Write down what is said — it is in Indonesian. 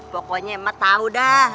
pokoknya ma tau dah